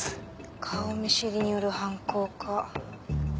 顔見知りによる犯行か。